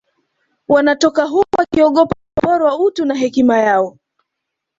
wanatoka huko wakiogopa kuporwa utu na hekima yao